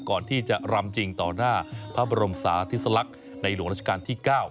ก่อนที่จะรำจริงต่อหน้าพระบรมสาธิสลักษณ์ในหลวงราชการที่๙